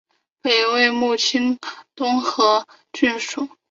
北魏绎幕县属于东清河郡。